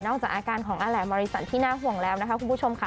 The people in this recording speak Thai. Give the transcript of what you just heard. จากอาการของอาแหลมมริสันที่น่าห่วงแล้วนะคะคุณผู้ชมค่ะ